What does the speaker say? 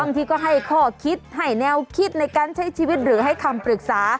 ที่ก็ให้ข้อคิดให้แนวคิดในการใช้ชีวิตหรือให้คำปรึกษา